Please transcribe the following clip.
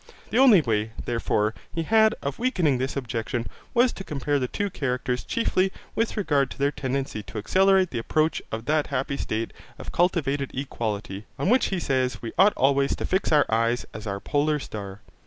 The only way, therefore, he had of weakening this objection was to compare the two characters chiefly with regard to their tendency to accelerate the approach of that happy state of cultivated equality, on which he says we ought always to fix our eyes as our polar star.